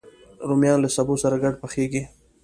رومیان له سبو سره ګډ پخېږي